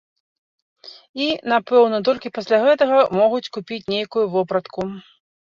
І, напэўна, толькі пасля гэтага могуць купіць нейкую вопратку.